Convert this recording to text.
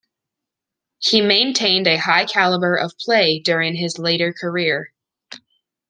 He maintained a high caliber of play during his later career.